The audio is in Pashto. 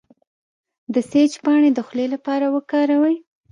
د سیج پاڼې د خولې لپاره وکاروئ